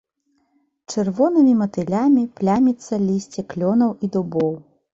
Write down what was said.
Чырвонымі матылямі пляміцца лісце клёнаў і дубоў.